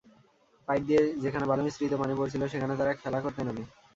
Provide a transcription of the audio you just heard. Pipe দিয়ে যেখানে বালুমিশ্রিত পানি পড়ছিল, সেখানে তারা খেলা করতে নামে।